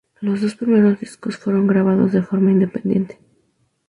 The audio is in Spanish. Los dos primeros discos fueron grabados de forma independiente.